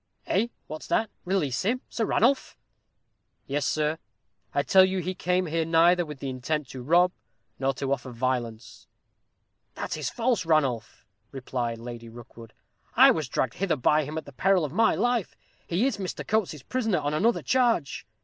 "Eh day, what's that? release him, Sir Ranulph?" "Yes, sir; I tell you he came here neither with the intent to rob nor to offer violence." "That is false, Ranulph," replied Lady Rookwood. "I was dragged hither by him at the peril of my life. He is Mr. Coates's prisoner on another charge."